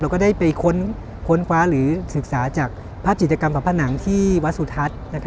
เราก็ได้ไปค้นค้นคว้าหรือศึกษาจากภาพจิตรกรรมของมารับภานิ่งที่วัสถุทัศน์